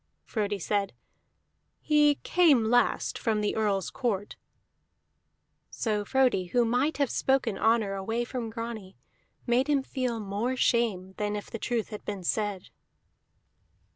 Frodi said, "He came last from the Earl's court." So Frodi, who might have spoken honor away from Grani, made him feel more shame than if the truth had been said.